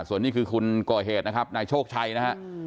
ส่วนนี้คือคนก่อเหตุนะครับนายโชคชัยนะฮะ